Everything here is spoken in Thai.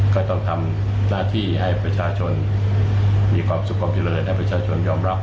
ก็ต้องทำหน้าที่ให้ประชาชนมีความสุขความเจริญให้ประชาชนยอมรับ